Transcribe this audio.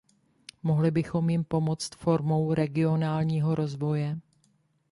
Mohli bychom jim pomoct formou regionálního rozvoje.